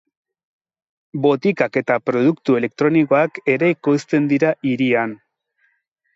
Botikak eta produktu elektronikoak ere ekoizten dira hirian.